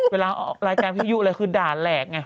เวลารายการพี่อยู่อะไรคือด่าแหลกไง